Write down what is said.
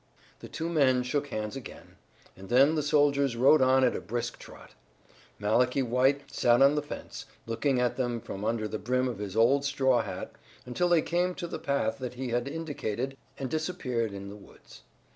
The two men shook hands again, and then the soldiers rode on at a brisk trot. Malachi White sat on the fence, looking at them from under the brim of his old straw hat, until they came to the path that he had indicated and disappeared in the woods.